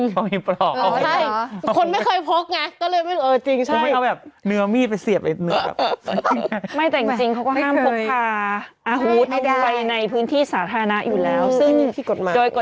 อ๋อใครพกไว้ด้วย